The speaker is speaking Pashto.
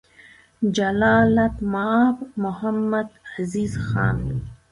جلالتمآب محمدعزیز خان: